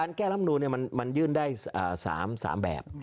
การแก้รัฐมนุษย์มันยื่นได้ซามยื่นได้ซามแบบ